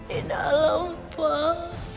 di dalam pak